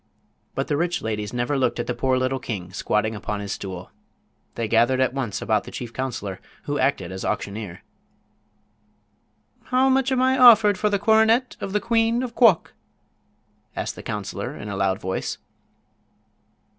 But the rich ladies never looked at the poor little king squatting upon his stool. They gathered at once about the chief counselor, who acted as auctioneer. "How much am I offered for the coronet of the queen of Quok?" asked the counselor, in a loud voice.